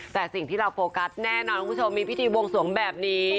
แต่สิ่งที่เราโฟกัสแน่นอนคุณผู้ชมมีพิธีบวงสวงแบบนี้